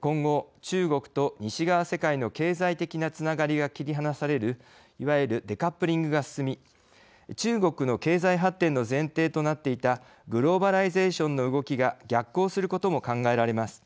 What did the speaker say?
今後、中国と西側世界の経済的なつながりが切り離されるいわゆるデカップリングが進み中国の経済発展の前提となっていたグローバライゼーションの動きが逆行することも考えられます。